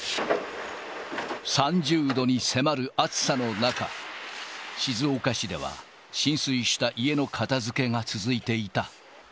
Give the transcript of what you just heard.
３０度に迫る暑さの中、静岡市では浸水した家の片づけが続いていた。